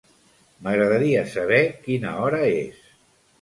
M'agradaria saber quina hora és.